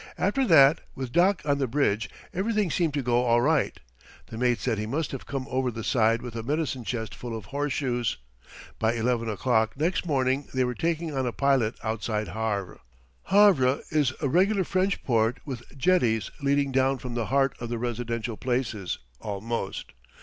After that, with Doc on the bridge, everything seemed to go all right. The mate said he must have come over the side with a medicine chest full of horseshoes. By eleven o'clock next morning they were taking on a pilot outside Havre. Havre is a regular French port with jetties leading down from the heart of the residential places almost.